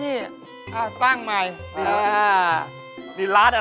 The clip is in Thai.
นี่กันหมดแล้ว